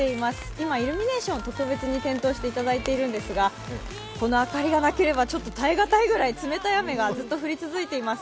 今、イルミネーションを特別に点灯していただいているんですがこの明かりがなければ耐えがたいぐらい冷たい雨がずっと降り続いています。